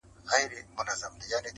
بجل نه وه، بجل ئې راوړه.